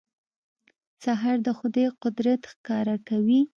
سهار د خدای قدرت ښکاره کوي.